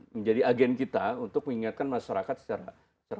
menjadi agen kita untuk mengingatkan masyarakat secara